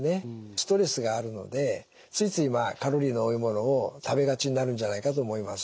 ストレスがあるのでついついカロリーの多いものを食べがちになるんじゃないかと思います。